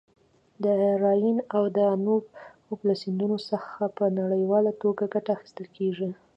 د راین او دانوب له سیندونو څخه په نړیواله ټوګه ګټه اخیستل کیږي.